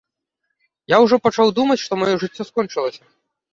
Я ўжо пачаў думаць, што маё жыццё скончылася.